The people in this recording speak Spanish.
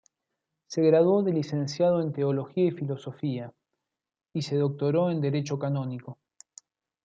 Se graduó de licenciado en teología y filosofía, y se doctoró en derecho canónico.